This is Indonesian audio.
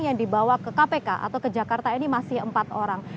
yang dibawa ke kpk atau ke jakarta ini masih empat orang